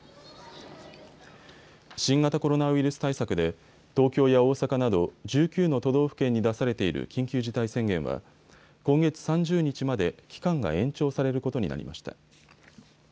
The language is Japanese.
新型コロナウイルス対策で東京や大阪など１９の都道府県に出されている緊急事態宣言は今月３０日まで期間が延長されることになりました。